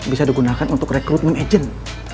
bisa digunakan untuk recruitment agent